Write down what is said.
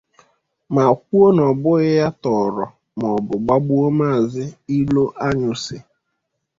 ma kwuo na ọ bụghị ya tọọrọ ma ọ bụ gbagbuo maazị Iloanyụsị